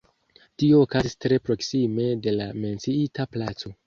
Tio okazis tre proksime de la menciita placo.